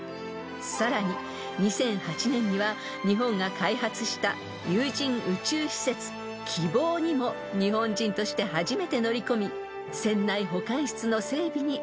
［さらに２００８年には日本が開発した有人宇宙施設きぼうにも日本人として初めて乗り込み船内保管室の整備に尽力しました］